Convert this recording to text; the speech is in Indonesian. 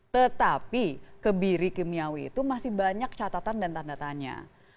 tetapi kebiri kimiawi itu masih banyak catatan dan tanda tanya